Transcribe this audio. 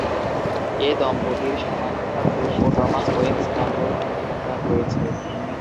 এ দম্পতির Samantha, Brooke ও Thomas Owens নামীয় তিন সন্তান রয়েছে।